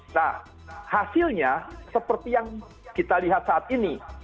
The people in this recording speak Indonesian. nah hasilnya seperti yang kita lihat saat ini